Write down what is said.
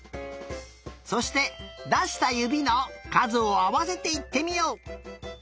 そしてだしたゆびのかずをあわせていってみよう。